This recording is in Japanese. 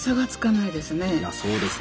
いやそうですね。